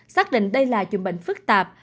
xác định đây là chùm bệnh phức tạp